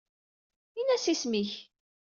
Inas isem-ik.